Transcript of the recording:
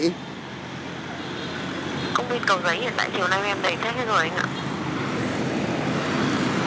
công viên cầu giấy thì tại chiều nay em đầy thết rồi anh ạ